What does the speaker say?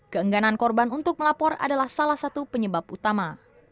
keengganan korban untuk melapor adalah salah satu penyebab utama